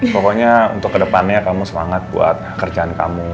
pokoknya untuk kedepannya kamu semangat buat kerjaan kamu